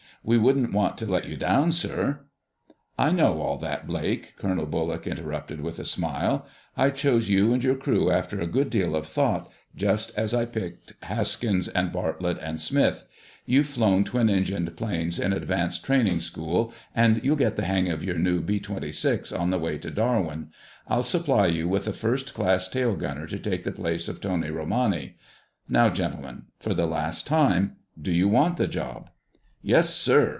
We wouldn't want to let you down, sir—" "I know all that, Blake," Colonel Bullock interrupted with a smile. "I chose you and your crew after a good deal of thought, just as I picked Haskins and Bartlett and Smith. You've flown twin engined planes in Advanced Training School and you'll get the hang of your new B 26 on the way to Darwin. I'll supply you with a first class tail gunner to take the place of Tony Romani.... Now, gentlemen, for the last time, do you want the job?" "Yes, sir!"